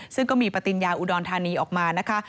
ซึ่งก็มีปฏิญญาอุดรธานีออกมานะคะ